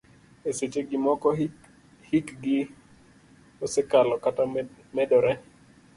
E seche gi moko hikgi osekalo kata medore.